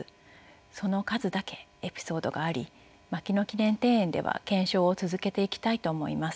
その数だけエピソードがあり牧野記念庭園では顕彰を続けていきたいと思います。